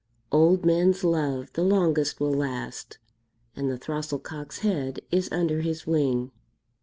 Old men's love the longest will last, And the throstle cock's head is under his wing.